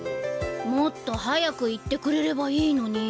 もっと早く言ってくれればいいのに。